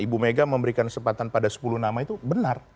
ibu mega memberikan kesempatan pada sepuluh nama itu benar